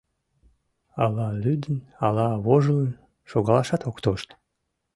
Ала лӱдын, ала вожылын — шогалашат ок тошт.